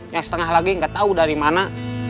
yang setengah lagi nggak tahu dari mana